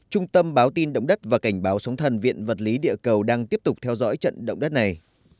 trung tâm báo tin động đất và cảnh báo sóng thần viện vật lý địa cầu đang tiếp tục theo dõi trận động đất này